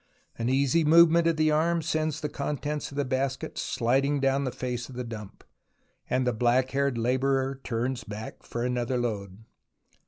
An easy movement of the arm sends the contents of the basket sHding down the face of the dump, and the black haired labourer turns back for another load.